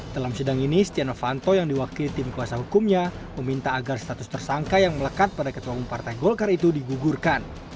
dalam sedang ini stiano fanto yang diwakili tim kuasa hukumnya meminta agar status tersangka yang melekat pada ketua bumpartai golkar itu digugurkan